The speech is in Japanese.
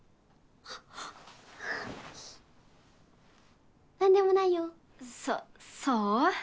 あっ何でもないよそそう？